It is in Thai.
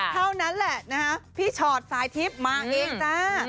เท่านั้นแหละนะฮะพี่ชอตสายทิพย์มาเองจ้า